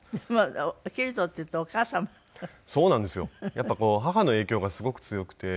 やっぱり母の影響がすごく強くて。